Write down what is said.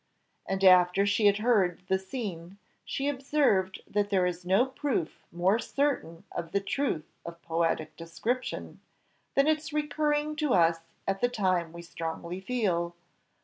And, after she had heard the scene, she observed that there is no proof more certain of the truth of poetic description, than its recurring to us at the time we strongly feel.